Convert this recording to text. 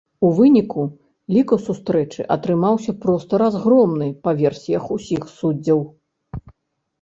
У выніку, лік у сустрэчы атрымаўся проста разгромным па версіях усіх суддзяў.